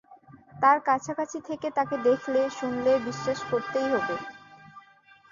তার কাছাকাছি থেকে তাকে দেখলে-শুনলে বিশ্ববাস করতেই হবে।